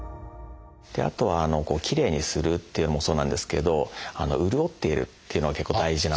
あとはきれいにするっていうのもそうなんですけど潤っているっていうのが結構大事な。